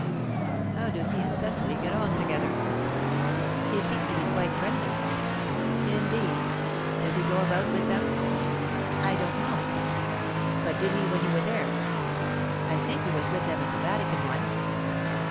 "How do he and Cecily get on together?" "They seemed to be quite friendly." "Indeed? Does he go about with them?" "I don't know." "But did he when you were there?" "I think he was with them at the Vatican once."